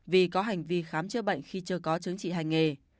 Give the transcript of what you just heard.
vì có hành vi khám chữa bệnh khi chưa có chứng trị hành nghề